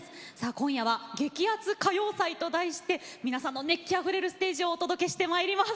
今夜は「激アツ歌謡祭」と題して皆さんの熱気あふれるステージをお届けしてまいります。